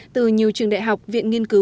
từ nhiều trường đại học viện nghiên cứu